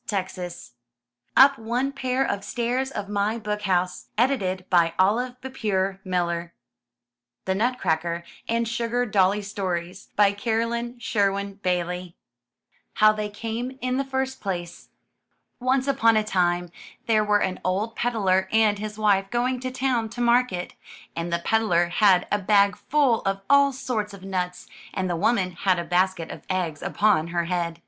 90 UP ONE PAIR OF STAIRS THE NUTCRACKER AND SUGARDOLLY STORIES* Carolyn Sherwin Bailey HOW THEY CAME IN THE FIRST PLACE Once upon a time there were an old peddler and his wife going to town to market, and the peddler had a bag full of all sorts of nuts, and the woman had a basket of eggs upon her head.